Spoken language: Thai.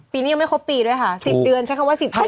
ปีนี้ไม่คบปีด้วยค่ะ๑๐เดือนใช้คำว่า๑๐เดือน